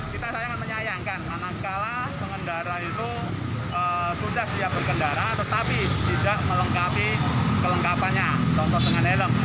kita sayang menyayangkan manakala pengendara itu sudah siap berkendara tetapi tidak melengkapi kelengkapannya contoh dengan helm